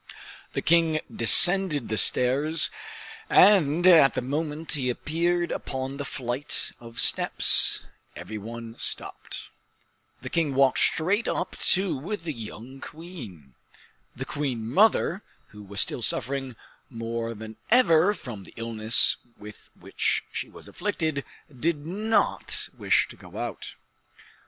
The king descended the stairs, and at the moment he appeared upon the flight of steps, every one stopped. The king walked straight up to the young queen. The queen mother, who was still suffering more than ever from the illness with which she was afflicted, did not wish to go out.